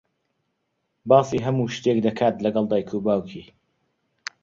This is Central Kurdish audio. باسی هەموو شتێک دەکات لەگەڵ دایک و باوکی.